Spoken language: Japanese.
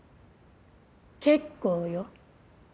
結構よ。